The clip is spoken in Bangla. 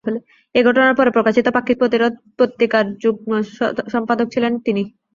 এই ঘটনার পরে প্রকাশিত পাক্ষিক 'প্রতিরোধ' পত্রিকার যুগ্ম সম্পাদক ছিলেন তিনি।